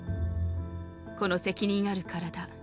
この責任ある体